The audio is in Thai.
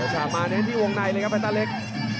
สลับมาในที่วงในเลยครับแฟนต้าเล็ก